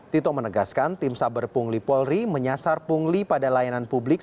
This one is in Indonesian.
tito menegaskan tim saber pungli polri menyasar pungli pada layanan publik